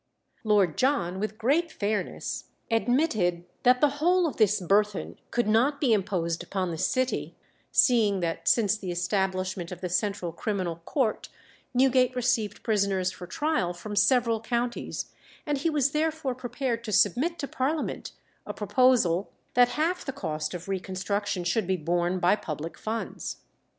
Lord John, with great fairness, admitted that the whole of this burthen could not be imposed upon the city, seeing that since the establishment of the Central Criminal Court, Newgate received prisoners for trial from several counties, and he was therefore prepared to submit to Parliament a proposal that half the cost of reconstruction should be borne by public funds.